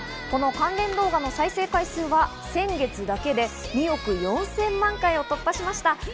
この関連動画の再生回数は先月だけで２億４０００万回を突破しました。